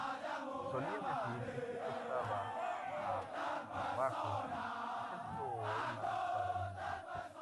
Solía decir que no le costaba a trabajo hacer poemas para Linares.